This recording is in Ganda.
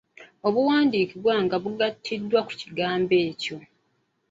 Buwandiikibwa nga bugattiddwa ku kigambo ekyo.